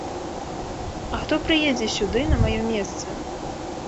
А хто прыедзе сюды на маё месца?